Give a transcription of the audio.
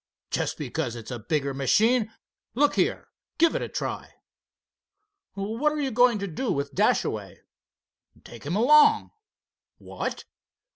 Just because it's a bigger machine? Look here, give it a try." "What are you going to do with Dashaway?" "Take him along." "What!"